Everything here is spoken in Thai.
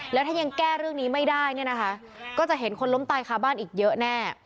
แล้วถ้ายังแก้เรื่องนี้ไม่ได้เนี่ยนะคะก็จะเห็นคนล้มตายคาบ้านอีกเยอะแน่